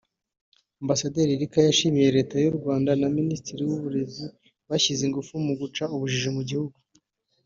Ambasaderi Erica yashimye Leta y’u Rwanda na Minisiteri y’Uburezi bashyize ingufu mu guca ubujiji mu gihugu